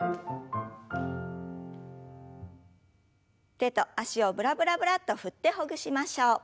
手と脚をブラブラブラッと振ってほぐしましょう。